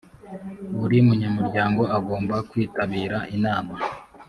buri munyamuryango agomba kwitabira inama